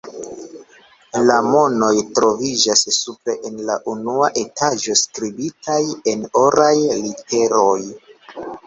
La nomoj troviĝas supre en la unua etaĝo, skribitaj en oraj literoj.